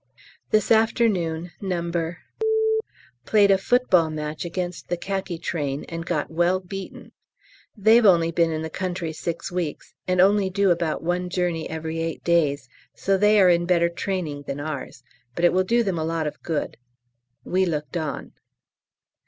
This afternoon No. played a football match against the Khaki train and got well beaten. They've only been in the country six weeks, and only do about one journey every eight days, so they are in better training than ours, but it will do them a lot of good: we looked on.